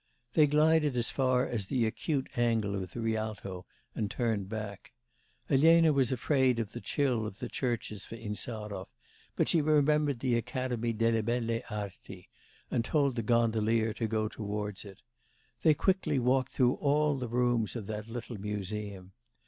They glided as far as the acute angle of the Rialto and turned back. Elena was afraid of the chill of the churches for Insarov; but she remembered the academy delle Belle Arti, and told the gondolier to go towards it. They quickly walked through all the rooms of that little museum.